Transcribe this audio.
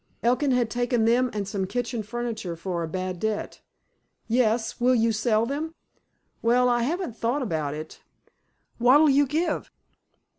Elkin had taken them and some kitchen furniture for a bad debt. "Yes. Will you sell them?" "Well, I haven't thought about it. What'll you give?"